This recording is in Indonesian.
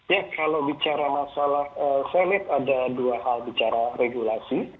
ya kalau bicara masalah valid ada dua hal bicara regulasi